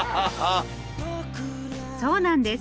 そうなんです。